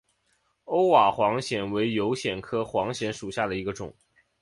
欧瓦黄藓为油藓科黄藓属下的一个种。